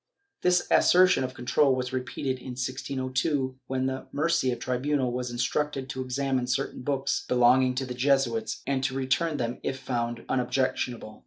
This assertion of control was repeated in 1602, when the Murcia tribunal was instructed to examine certain books belonging to the Jesuits and to return them if found unobjectionable.